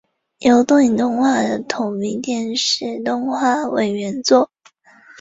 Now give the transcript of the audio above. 由东映动画的同名电视动画为原作。